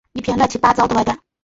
一篇乱七八糟的外传